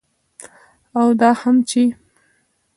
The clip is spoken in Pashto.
او دا هم چې